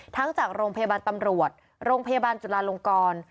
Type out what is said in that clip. จากโรงพยาบาลตำรวจโรงพยาบาลจุลาลงกร